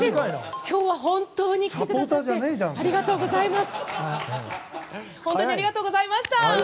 今日は本当に来てくださってありがとうございます。